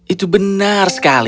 itu benar sekali